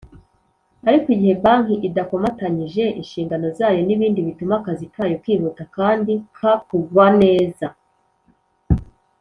Ariko igihe banki idakomatanyije inshingano zayo nibindi bituma akazi kayo kihuta kandi kagkorwa neza.